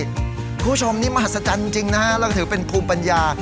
คุณผู้ชมนี่มหัศจรรย์จริงนะฮะแล้วก็ถือเป็นภูมิปัญญา